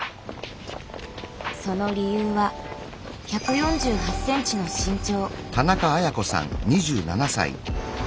その理由は１４８ｃｍの身長。